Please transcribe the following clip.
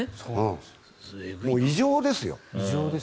もう異常ですよ。